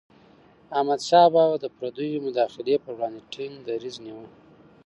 احمدشاه بابا به د پردیو مداخلي پر وړاندې ټينګ دریځ نیوه.